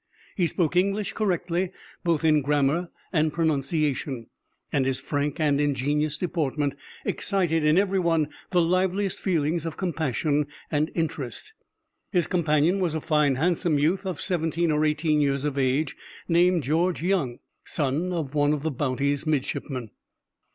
He spoke English correctly both in grammar and pronunciation; and his frank and ingenuous deportment excited in every one the liveliest feelings of compassion and interest. His companion was a fine handsome youth, of seventeen or eighteen years of age, named George Young, son of one of the Bounty's midshipmen.